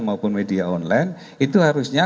maupun media online itu harusnya